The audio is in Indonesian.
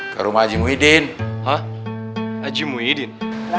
ke rumah haji muhyiddin aji muhyiddin